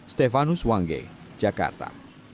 stefanus wangge jakarta